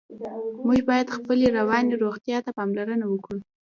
موږ باید خپلې رواني روغتیا ته پاملرنه وکړو.